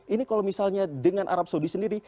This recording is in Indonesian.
ini kalau misalnya dengan arab saudi sendiri